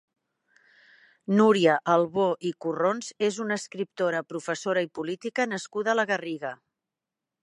Núria Albó i Corrons és una escriptora, professora i política nascuda a la Garriga.